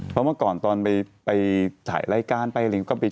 เพราะเมื่อก่อนตอนไปถ่ายรายการไปอะไรอย่างนี้